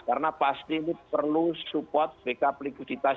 karena pasti ini perlu support backup likuiditas